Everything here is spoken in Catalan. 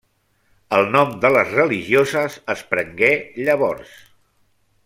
El nom de les religioses es prengué llavors.